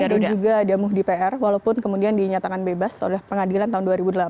dan juga ada muhdi pr walaupun kemudian dinyatakan bebas oleh pengadilan tahun dua ribu delapan